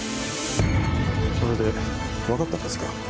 それで、分かったんですか